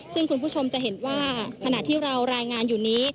ซึ่งคุณผู้ชมจะเห็นว่าขณะที่เรารายงานอยู่นี้